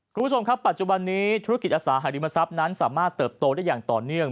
คุณผู้ชมครับปัจจุบันนี้ธุรกิจอสังหาริมทรัพย์นั้นสามารถเติบโตได้อย่างต่อเนื่อง